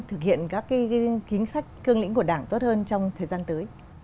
thực hiện các cái kính sách cương lĩnh của đảng tốt hơn trong thời gian tới